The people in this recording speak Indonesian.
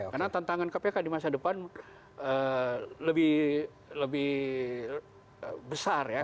karena tantangan kpk di masa depan lebih besar ya